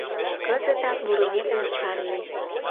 — Кызытак мурыметым чарне!